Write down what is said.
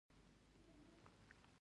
پوزه د بوی حس لري